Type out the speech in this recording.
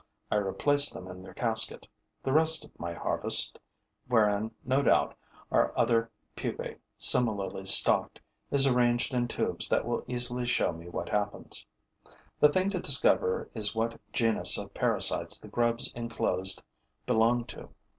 I replace them in their casket. The rest of my harvest, wherein, no doubt, are other pupae similarly stocked, is arranged in tubes that will easily show me what happens. The thing to discover is what genus of parasites the grubs enclosed belong to.